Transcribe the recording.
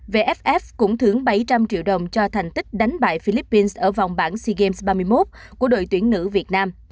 vff cũng thưởng bảy trăm linh triệu đồng cho thành tích đánh bại philippines ở vòng bảng sea games ba mươi một của đội tuyển nữ việt nam